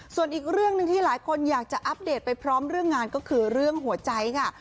ส่วนอีกเรื่องหนึ่งที่หลายคนอยากจะอัปเดตไปพร้อมเรื่องงานก็คือเรื่องหัวใจค่ะ